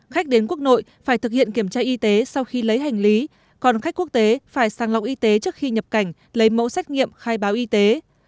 khách đến quốc nội phải thực hiện kiểm tra y tế sau khi lấy hành lý còn khách quốc tế phải sang lọc y tế trước khi nhập cảnh lấy mẫu xét nghiệm khai báo y tế